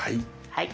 はい。